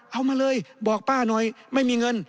เอามาเลยบอกป้าหน่อยไม่มีเงิน